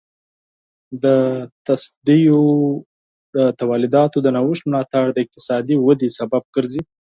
د تصدیو د تولیداتو د نوښت ملاتړ د اقتصادي ودې سبب ګرځي.